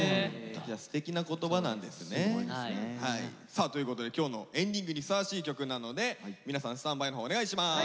さあということで今日のエンディングにふさわしい曲なので皆さんスタンバイのほうお願いします。